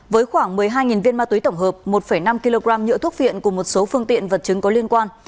với khoảng một mươi hai viên ma túy tổng hợp một năm kg nhựa thuốc phiện cùng một số phương tiện vật chứng có liên quan